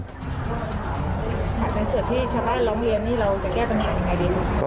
ถ้าเป็นส่วนที่ชาวบ้านร้องเวียนนี่เราจะแก้ปัญหาอย่างไรดีครับ